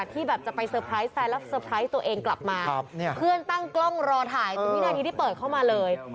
ตัวเองกลับมาเพื่อนตั้งกล้องรอถ่ายนี่นาทีที่เปิดเข้ามาเลย